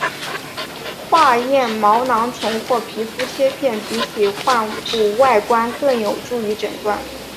化验毛囊虫或皮肤切片比起患部外观更有助于诊断。